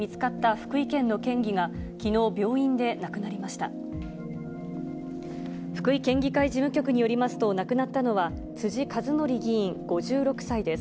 福井県議会事務局によりますと、亡くなったのは辻一憲議員５６歳です。